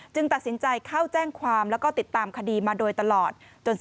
ตัดสินใจเข้าแจ้งความแล้วก็ติดตามคดีมาโดยตลอด